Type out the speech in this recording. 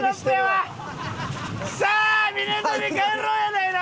さあ港に帰ろうやないの！